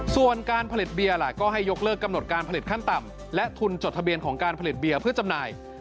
ส่วนการผลิตเบียร์ล่ะก็ให้ยกเลิกกำหนดการผลิตขั้นต่ำและทุนจดทะเบียนของการผลิตเบียร์เพื่อจำหน่าย